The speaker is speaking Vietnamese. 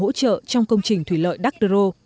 được bồi thường hỗ trợ trong công trình thủy lợi đắc đô